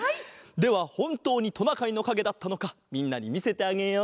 ではほんとうにトナカイのかげだったのかみんなにみせてあげよう。